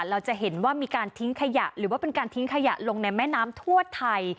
เราจะเห็นว่ามีการทิ้งขยะหรือว่าเป็นการทิ้งขยะลงในแม่น้ำทั่วไทย